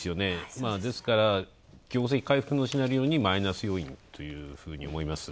ですから業績回復のシナリオにマイナス要因というふうに思います。